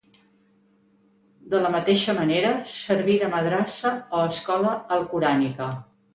De la mateixa manera serví de madrassa o escola alcorànica.